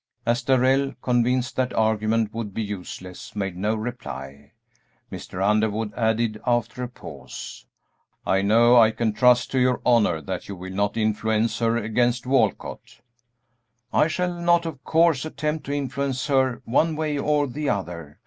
As Darrell, convinced that argument would be useless, made no reply, Mr. Underwood added, after a pause, "I know I can trust to your honor that you will not influence her against Walcott?" "I shall not, of course, attempt to influence her one way or the other.